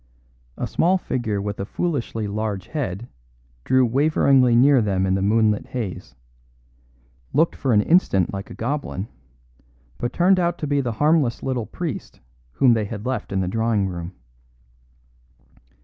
A small figure with a foolishly large head drew waveringly near them in the moonlit haze; looked for an instant like a goblin, but turned out to be the harmless little priest whom they had left in the drawing room.